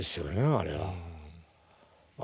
あれは。